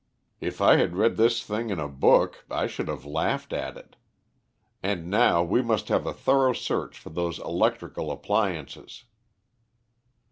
If I had read this thing in a book I should have laughed at it. And now we must have a thorough search for those electrical appliances."